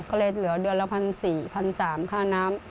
ก็เลยเหลือเดือนละ๑๔๐๐๓๐๐ค่าน้ำ